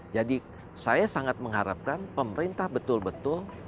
jadi saya sangat mengharapkan pemerintah betul betul